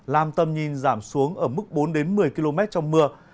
làm tâm nhìn giảm xuống ở mức bốn một mươi km trong mưa